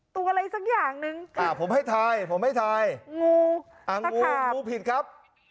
ตัวอะไรสักอย่างนึงอ่าผมให้ทายผมให้ทายงูอ่างูงูผิดครับ